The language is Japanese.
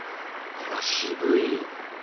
あら渋い！